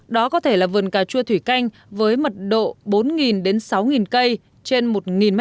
đó có thể là vườn cà chua thủy canh với mật độ bốn đến sáu cây trên một m hai